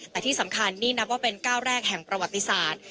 แต่ที่สำคัญนี่นับว่าเป็นก้าวแรกแห่งประวัติศาสตร์